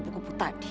buat biin gudik